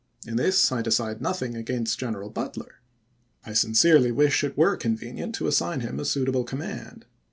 In this I decide nothing against General Butler. I sincerely wish it were convenient to assign him a suitable command.